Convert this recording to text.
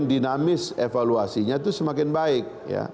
dinamis evaluasinya itu semakin baik